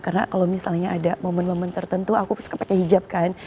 karena kalau misalnya ada momen momen tertentu aku suka pakai hijab kan